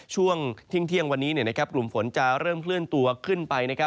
ช่วงเที่ยงวันนี้กลุ่มฝนจะเริ่มเคลื่อนตัวขึ้นไป